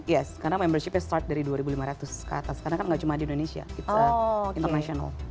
yes karena membershipnya start dari dua ribu lima ratus ke atas karena kan gak cuma di indonesia international